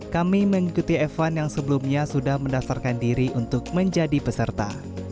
kami mengikuti evan yang sebelumnya sudah mendaftarkan diri untuk menjadi peserta